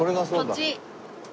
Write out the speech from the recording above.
こっち。